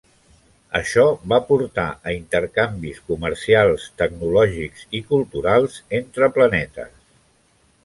Això va portar a intercanvis comercials, tecnològics i culturals entre planetes.